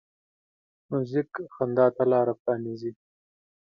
موزیک خندا ته لاره پرانیزي.